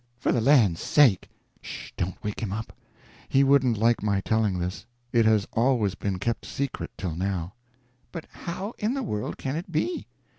"For the land's sake!" "'Sh! don't wake him up; he wouldn't like my telling this. It has always been kept secret till now." "But how in the world can it be?